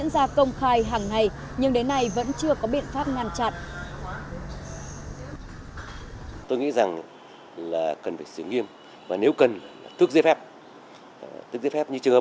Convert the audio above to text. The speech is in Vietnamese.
sau khi thua đối thủ người iran